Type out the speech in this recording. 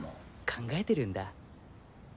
考えてるんだ。